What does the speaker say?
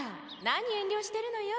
何遠慮してるのよ